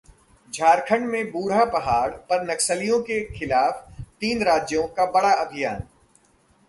झारखंड में बूढ़ा पहाड़ पर नक्सलियों के खिलाफ तीन राज्यों का बड़ा अभियान